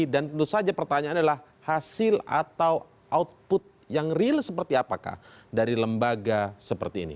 dan tentu saja pertanyaan adalah hasil atau output yang real seperti apakah dari lembaga seperti ini